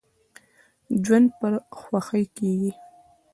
ژوند په خوښۍ کیږي.